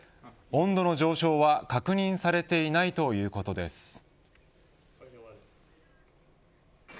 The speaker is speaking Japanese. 温度の上昇は確認されていないということです。